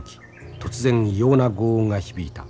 突然異様な轟音が響いた。